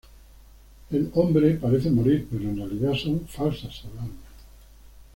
El hombre parece morir, pero en realidad son "falsas alarmas".